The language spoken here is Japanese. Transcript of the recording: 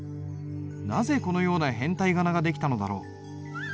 なぜこのような変体仮名が出来たのだろう。